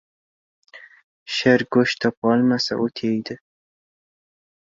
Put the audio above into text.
• Sher go‘sht topa olmasa, o‘t yeydi.